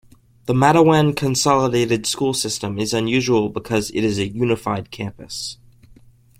The Mattawan Consolidated School system is unusual because it is a unified campus.